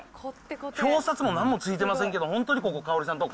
表札もなんもついてませんけど、本当にここ、かおりさんとこ？